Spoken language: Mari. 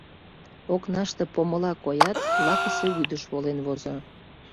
Окнаште помыла коят, лакысе вӱдыш волен возо.